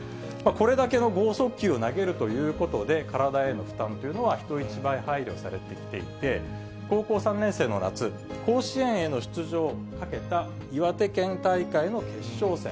これだけの剛速球を投げるということで、体への負担というのは、人一倍配慮されてきていて、高校３年生の夏、甲子園への出場を懸けた岩手県大会の決勝戦。